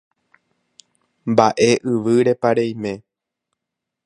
mba'e yvýrepa reime